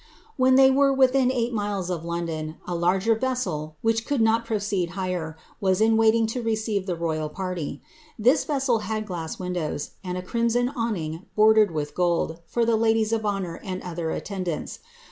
When they were within eight miles of London, a larger Tessd, which l' could not proceed higher, was in waiting to receive the royal psitf. f This vessel had glass windows, and a crimson awning bordered with gold, for the ladies of honour and other attendants.